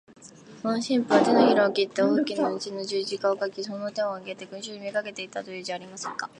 その神父は、てのひらを切って大きな血の十字架を書き、その手を上げて、群集に呼びかけていた、というじゃありませんか。